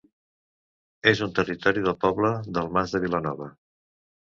És en territori del poble del Mas de Vilanova.